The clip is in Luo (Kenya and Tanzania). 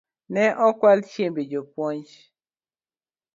Ne okwal chiembe jopuonj